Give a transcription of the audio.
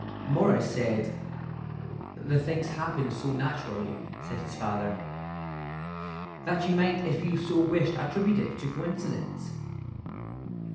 "Morris said the things happened so naturally," said his father, "that you might if you so wished attribute it to coincidence."